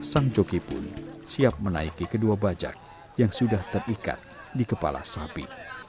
sang joki pun siap menaiki kedua bajak yang sudah terikat di kepala sapi